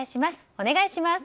お願いします。